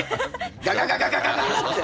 ガガガガガッて。